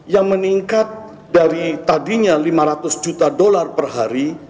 yang meningkat dari tadinya lima ratus juta dolar per hari